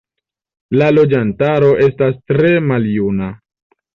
La loĝantaro estas tre maljuna.